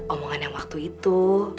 omongan yang waktu itu